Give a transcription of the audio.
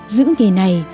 giữ nghề này